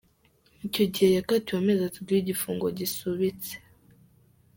icyo gihe yakatiwe amezi atatu y’igifungo gisubitse.